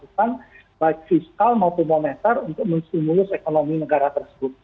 mereka harus melakukan baik fiskal maupun monitor untuk mensimulus ekonomi negara tersebut